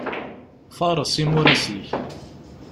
Faṛes imuras-ik.